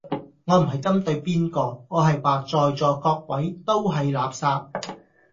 我唔係針對邊個，我係話在座各位都係垃圾